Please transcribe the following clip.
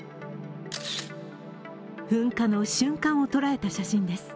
噴火の瞬間を捉えた写真です。